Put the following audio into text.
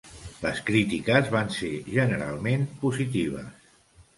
Les crítiques van ser generalment positives.